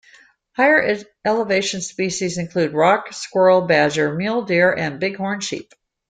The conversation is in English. Higher elevation species include rock squirrel, badger, mule deer, and bighorn sheep.